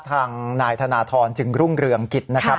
ทางนายธนทรจึงรุ่งเรืองกิจนะครับ